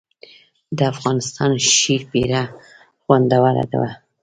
د افغانستان شیرپیره خوندوره ده